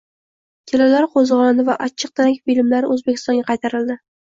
Kelinlar qo‘zg‘oloni va "Achchiq danak" filmlari O‘zbekistonga qaytarildi